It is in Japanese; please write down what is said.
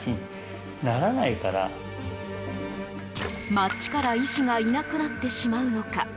町から医師がいなくなってしまうのか。